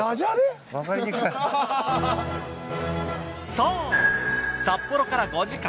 そう札幌から５時間。